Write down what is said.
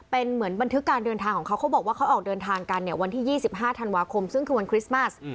เป็นเหมือนบันทึกการเดินทางของเขาเขาบอกว่าเขาออกเดินทางกันเนี่ยวันที่๒๕ธันวาคมซึ่งคือวันคริสต์มัส